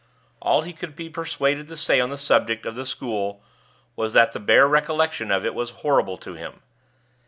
All he could be persuaded to say on the subject of the school was that the bare recollection of it was horrible to him.